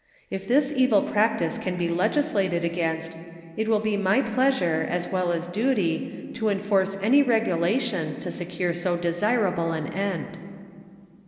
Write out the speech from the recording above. If this evil practice can be legislated against, it will be my pleasure as well as duty to enforce any regulation to secure so desirable an end.